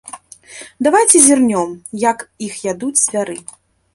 Давайце зірнём, як іх ядуць звяры.